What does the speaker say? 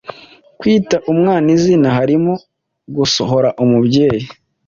kwita umwana izina halimo gusohora umubyeyi